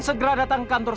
selamat pagi pak pak